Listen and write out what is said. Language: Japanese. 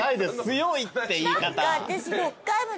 強いって言い方。